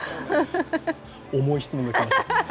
重い質問がきましたね。